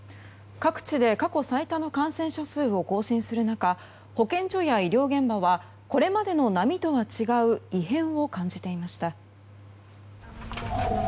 各地で過去最多の感染者数を更新する中保健所や医療現場はこれまでの波とは違う異変を感じていました。